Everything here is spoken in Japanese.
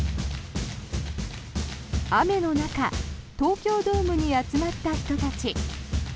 雨の中東京ドームに集まった人たち。